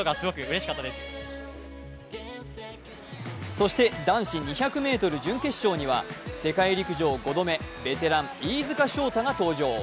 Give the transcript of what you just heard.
そして男子２００ｍ準決勝には世界陸上５度目ベテラン、飯塚翔太が登場。